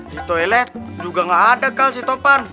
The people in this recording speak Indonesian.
di toilet juga gak ada si topan